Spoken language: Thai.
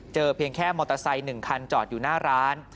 เพียงแค่มอเตอร์ไซค์๑คันจอดอยู่หน้าร้าน